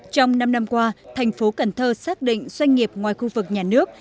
trong năm năm qua tp cnh xác định doanh nghiệp ngoài khu vực nhà nước